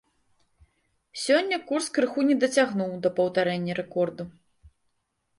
Сёння курс крыху не дацягнуў да паўтарэння рэкорду.